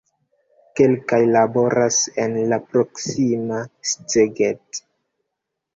Kelkaj laboras en la proksima Szeged.